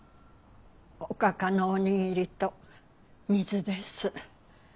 おかかのおにぎりと水です。